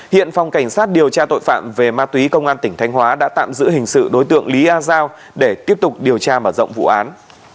hiện phòng cảnh sát điều tra tội phạm về ma túy công an tỉnh thanh hóa đã tạm giữ hình sự đối tượng lý a giao để tiếp tục điều tra mở rộng vụ án